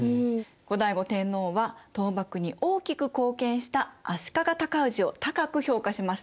後醍醐天皇は倒幕に大きく貢献した足利高氏を高く評価しました。